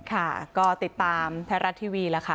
ค่ะก็ติดตามไทยรัฐทีวีแล้วค่ะ